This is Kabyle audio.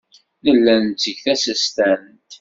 Nella netteg tasestant.